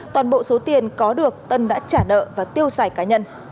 toàn bộ số tiền có được tân đã trả nợ và tiêu xài cá nhân